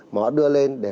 mà họ đưa lên để lôi kéo